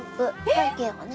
背景もね。